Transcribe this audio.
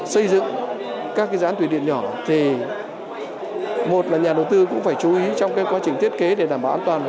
xây dựng các dự án thủy điện nhỏ thì một là nhà đầu tư cũng phải chú ý trong quá trình thiết kế để đảm bảo an toàn